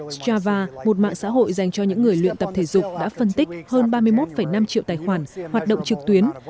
strava một mạng xã hội dành cho những người luyện tập thể dục đã phân tích hơn ba mươi một năm triệu tài khoản hoạt động trực tuyến